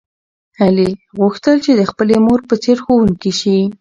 هیلې غوښتل چې د خپلې مور په څېر ښوونکې شي.